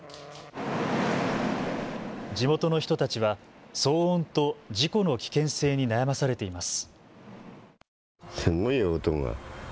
地元の人たちは騒音と事故の危険性に悩まされています。